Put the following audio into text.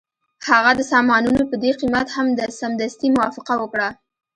هغه د سامانونو په دې قیمت هم سمدستي موافقه وکړه